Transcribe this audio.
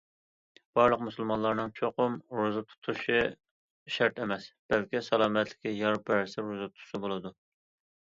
بارلىق مۇسۇلمانلارنىڭ چوقۇم روزا تۇتۇشى شەرت ئەمەس، بەلكى سالامەتلىكى يار بەرسە روزا تۇتسا بولىدۇ.